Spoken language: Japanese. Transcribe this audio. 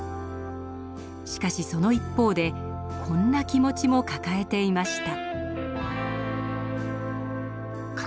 しかしその一方でこんな気持ちも抱えていました。